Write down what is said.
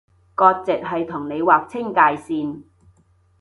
割蓆係同你劃清界線